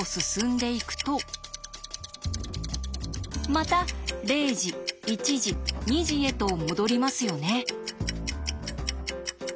また０時１時２時へと戻りますよね。